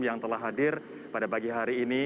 yang telah hadir pada pagi hari ini